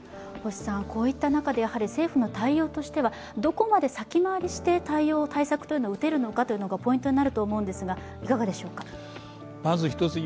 こういった中で政府の対応としてはどこまで先回りして対応、対策を打てるのかというのがポイントになると思いますが、いかがでしょうか。